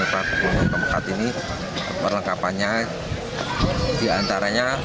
paku buwono iv ini perlengkapannya diantaranya